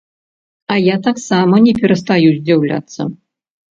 А я таксама не перастаю здзіўляцца.